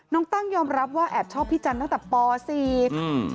ตั้งยอมรับว่าแอบชอบพี่จันทร์ตั้งแต่ปสี่อืม